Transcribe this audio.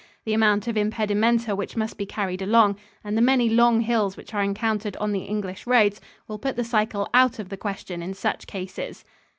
The amount of impedimenta which must be carried along, and the many long hills which are encountered on the English roads, will put the cycle out of the question in such cases.